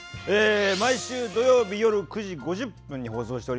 毎週土曜日夜９時５０分に放送しております